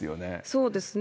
そうですね。